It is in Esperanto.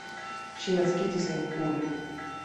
Ŝi naskiĝis en Hull.